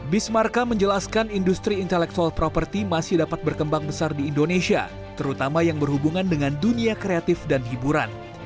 bismarcka menjelaskan industri intelektual properti masih dapat berkembang besar di indonesia terutama yang berhubungan dengan dunia kreatif dan hiburan